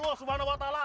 yang memiliki itu